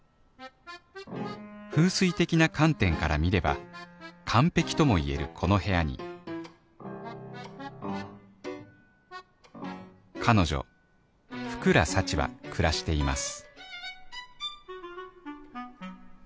風水的な観点から見れば完璧ともいえるこの部屋に彼女福良幸は暮らしています